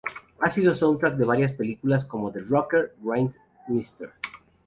Ha sido soundtrack de varias películas como The Rocker, Grind, Mr.